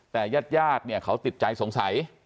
แต่ญาติยาดเขาติดใจสงสัย